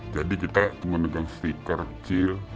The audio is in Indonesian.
jadi kita menegang stiker kecil